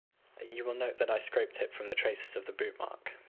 You will note that I scraped it from the traces of the boot-mark.